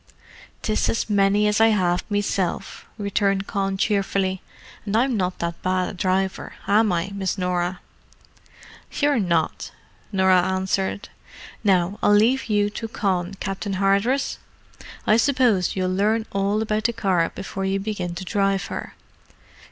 "'Tis as many as I have meself," returned Con cheerfully. "And I'm not that bad a driver, am I, Miss Norah?" "You're not," Norah answered. "Now I'll leave you to Con, Captain Hardress: I suppose you'll learn all about the car before you begin to drive her.